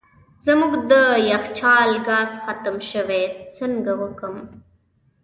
زموږ د یخچال ګاز ختم سوی څنګه وکم